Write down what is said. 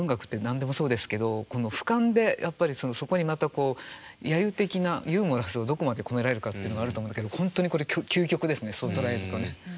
何でもそうですけどふかんでやっぱりそこにまたこう揶揄的なユーモラスをどこまで込められるかっていうのがあると思うんだけど本当にこれ究極ですねそう捉えるとね。